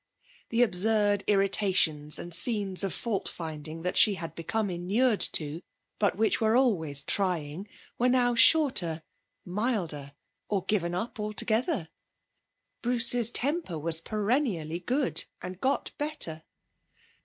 The absurd irritations and scenes of fault finding that she had become inured to, but which were always trying, were now shorter, milder, or given up altogether. Bruce's temper was perennially good, and got better.